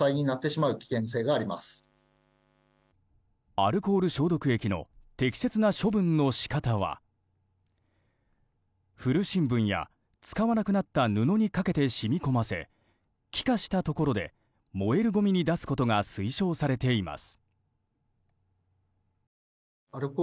アルコール消毒液の適切な処分の仕方は古新聞や使わなくなった布にかけて、染み込ませ気化したところで、燃えるごみに出すことが推奨されています。